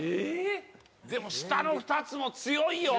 でも下の２つも強いよ？